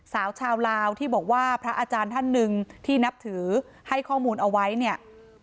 สาวชาวลาวที่บอกว่าพระอาจารย์ท่านหนึ่งที่นับถือให้ข้อมูลเอาไว้เนี่ย